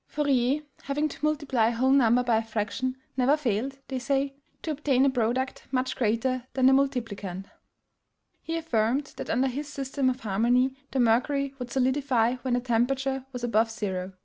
Fourier, having to multiply a whole number by a fraction, never failed, they say, to obtain a product much greater than the multiplicand. He affirmed that under his system of harmony the mercury would solidify when the temperature was above zero.